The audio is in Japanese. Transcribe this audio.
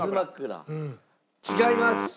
違います。